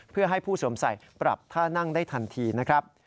เพื่อให้ผู้สวมใส่ปรับท่านั่งได้ทันทีนะครับ